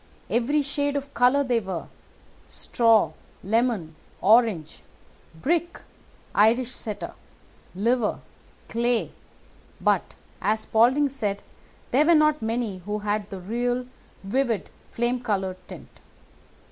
Every shade of colour they were—straw, lemon, orange, brick, Irish setter, liver, clay; but, as Spaulding said, there were not many who had the real vivid flame coloured tint.